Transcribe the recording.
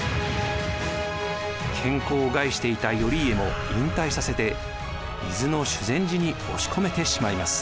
健康を害していた頼家も引退させて伊豆の修禅寺に押し込めてしまいます。